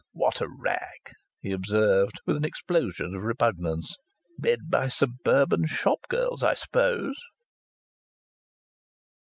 "What a rag!" he observed, with an explosion of repugnance. "Read by suburban shop girls, I suppose."